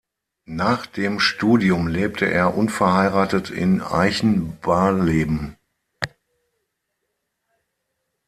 Nach dem Studium lebte er unverheiratet in Eichenbarleben.